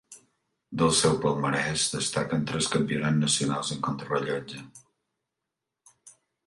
Del seu palmarès destaquen tres Campionats nacionals en contrarellotge.